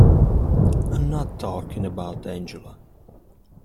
I'm not talking about Angela.